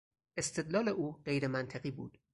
استدلال او غیرمنطقی بود.